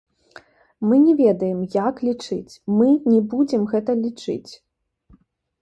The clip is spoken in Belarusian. Мы не ведаем, як лічыць, мы не будзем гэта лічыць.